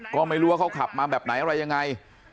ก็ไม่รู้ว่าเขาขับมาแบบไหนอะไรยังไง